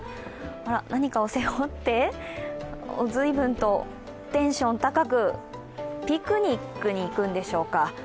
何かを背負って、随分とテンション高くピクニックに行くんでしょうか。